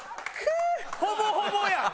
ほぼほぼやん。